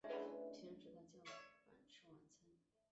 平时他较晚吃晚餐